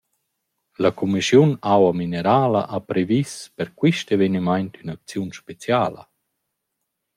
La cumischiun aua minerala ha previs per quist evenimaint ün’acziun speciala.